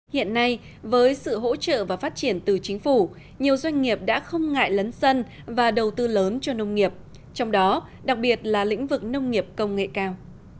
hiện nay với sự hỗ trợ và phát triển từ chính phủ nhiều doanh nghiệp đã không ngại lấn sân và đầu tư lớn cho nông nghiệp trong đó đặc biệt là lĩnh vực nông nghiệp công nghệ cao